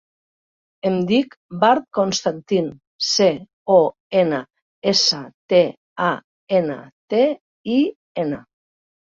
Em dic Badr Constantin: ce, o, ena, essa, te, a, ena, te, i, ena.